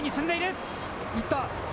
いった。